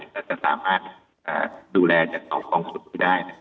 แล้วจะสามารถดูแลจาก๒รองจุดก็ได้